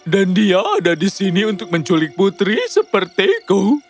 dan dia ada di sini untuk mencolik putri sepertiku